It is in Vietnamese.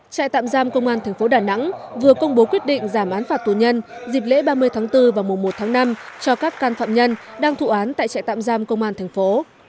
trại tạm giam công an tp đà nẵng vừa công bố quyết định giảm án phạt tù nhân dịp lễ ba mươi tháng bốn và mùa một tháng năm cho các can phạm nhân đang thụ án tại trại tạm giam công an thành phố